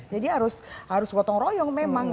jadi harus gotong royong memang